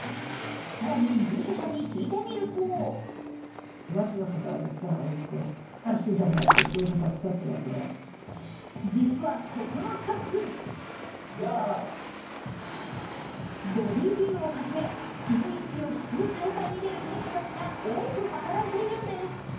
更に入所者に聞いてみると実は、ここのスタッフボディビルを初め、筋肉美を競う大会に出る選手たちが多く働いているんです。